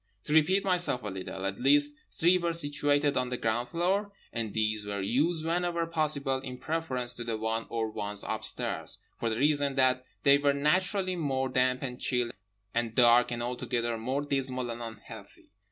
To repeat myself a little: at least three were situated on the ground floor; and these were used whenever possible in preference to the one or ones upstairs, for the reason that they were naturally more damp and chill and dark and altogether more dismal and unhealthy.